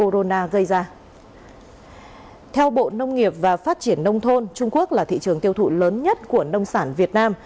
theo bộ nông nghiệp và phát triển nông thôn trung quốc là thị trường tiêu thụ lớn nhất của nông sản việt nam